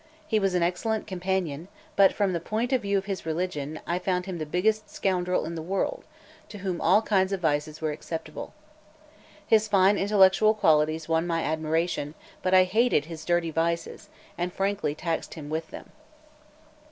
He was an excellent companion; but, from the point of view of his religion, I found him the biggest scoundrel in the world, to whom all kinds of vices were acceptable. His fine intellectual qualities won my admiration; but I hated his dirty vices, and frankly taxed him with them.